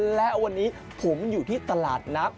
และวันนี้ผมอยู่ที่ตลาดนัด